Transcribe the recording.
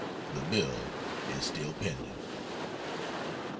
The bill is still pending.